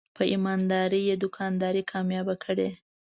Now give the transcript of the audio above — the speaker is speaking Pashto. په ایماندارۍ یې دوکانداري کامیابه کړې.